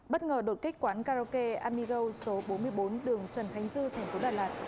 bất ngờ đột kích quán karaoke amigo số bốn mươi bốn đường trần khánh dư tp đà lạt